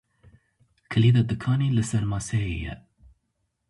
Kilîda dikanê li ser maseyê ye.